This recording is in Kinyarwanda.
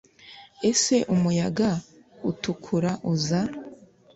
Ese umuyaga utukura uza